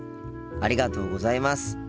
ありがとうございます。